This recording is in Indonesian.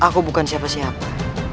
aku bukan siapa siapa